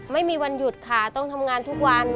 ไม่มีวันหยุดค่ะต้องทำงานทุกวัน